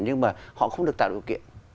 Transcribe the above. nhưng mà họ không được tạo điều kiện